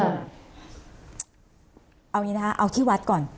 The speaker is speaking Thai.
เอาอย่างนี้นะคะเอาที่วัดก่อน